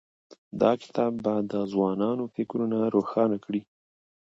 دا کتاب به د ځوانانو فکرونه روښانه کړي.